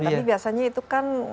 tapi biasanya itu kan